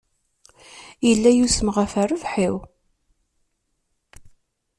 Yella yusem ɣef rrbeḥ-iw.